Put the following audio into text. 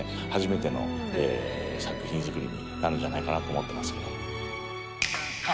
初めての作品作りになるんじゃないかなと思ってますけども。